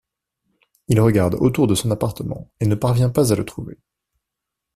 Il regarde autour de son appartement et ne parvient pas à le trouver.